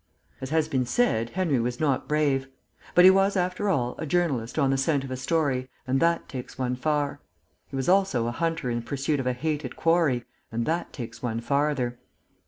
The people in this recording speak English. As has been said, Henry was not brave. But he was, after all, a journalist on the scent of a story, and that takes one far; he was also a hunter in pursuit of a hated quarry, and that takes one farther.